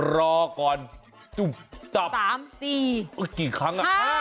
รอก่อน